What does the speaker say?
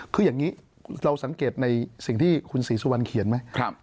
คืออย่างนี้เราสังเกตในสิ่งที่คุณศรีสุวรรณเขียนไหม